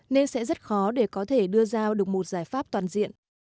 nên sẽ rất khó để có thể đưa ra được một giải pháp toàn diện